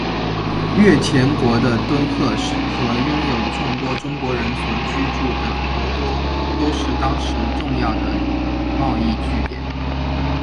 越前国的敦贺和拥有众多中国人所居住的博多都是当时重要的贸易据点。